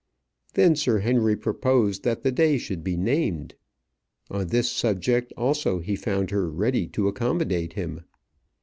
Then Sir Henry proposed that the day should be named. On this subject also he found her ready to accommodate him.